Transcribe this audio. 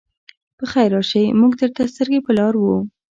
پخير راشئ! موږ درته سترګې په لار وو.